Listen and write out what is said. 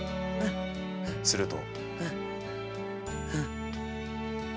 すると。